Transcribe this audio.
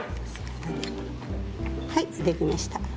はいできました。